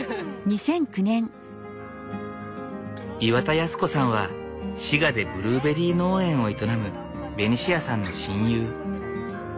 岩田康子さんは滋賀でブルーベリー農園を営むベニシアさんの親友。